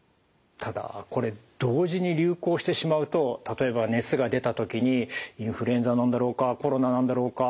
ただこれ同時に流行してしまうと例えば熱が出た時にインフルエンザなんだろうかコロナなんだろうか。